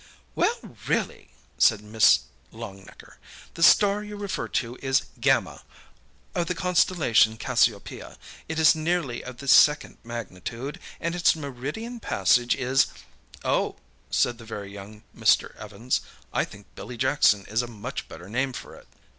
"Well, really!" said Miss Longnecker. "The star you refer to is Gamma, of the constellation Cassiopeia. It is nearly of the second magnitude, and its meridian passage is—" "Oh," said the very young Mr. Evans, "I think Billy Jackson is a much better name for it."